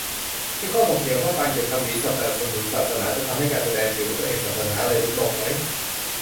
มีข้อถกเถียงว่า การเก็บภาษีสนับสนุนศาสนา จะทำให้การแสดงตัวว่าตัวเองศาสนาอะไรลดลงไหม